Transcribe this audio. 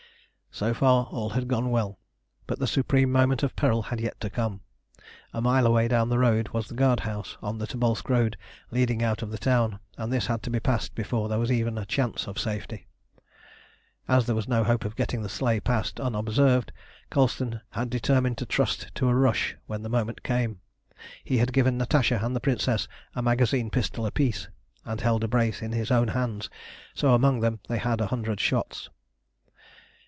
So far all had gone well, but the supreme moment of peril had yet to come. A mile away down the road was the guard house on the Tobolsk road leading out of the town, and this had to be passed before there was even a chance of safety. As there was no hope of getting the sleigh past unobserved, Colston had determined to trust to a rush when the moment came. He had given Natasha and the Princess a magazine pistol apiece, and held a brace in his own hands; so among them they had a hundred shots.